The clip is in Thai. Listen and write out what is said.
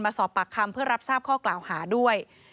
สอบปากคำเพื่อรับทราบข้อกล่าวหาด้วย